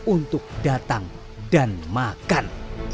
untuk datang dan makan